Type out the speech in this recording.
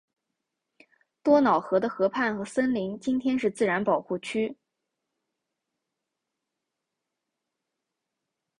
多瑙河的河畔和森林今天是自然保护区。